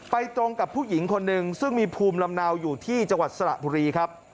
ตรงกับผู้หญิงคนหนึ่งซึ่งมีภูมิลำเนาอยู่ที่จังหวัดสระบุรีครับ